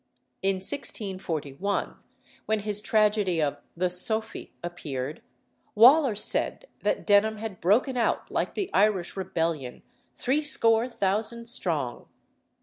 In 1641, when his tragedy of "The Sophy" appeared, Waller said that Denham had broken out like the Irish rebellion, threescore thousand strong.